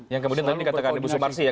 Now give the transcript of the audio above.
yang kemudian tadi dikatakan ibu sumarsi ya